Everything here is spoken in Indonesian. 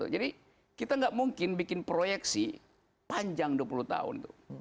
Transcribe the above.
jadi kita tidak mungkin bikin proyeksi panjang dua puluh tahun